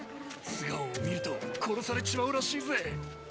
・素顔を見ると殺されちまうらしーぜ。